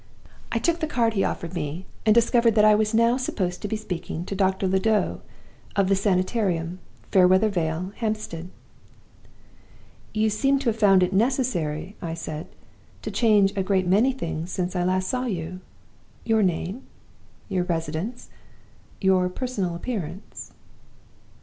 "I took the card he offered me, and discovered that I was now supposed to be speaking to 'Doctor Le Doux, of the Sanitarium, Fairweather Vale, Hampstead!' "'You seem to have found it necessary,' I said, 'to change a great many things since I last saw you? Your name, your residence, your personal appearance